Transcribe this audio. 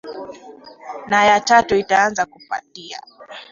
na ya tatu itaanza kupatia